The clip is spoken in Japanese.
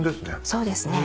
そうですね。